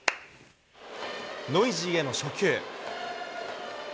ノイジーへの初球。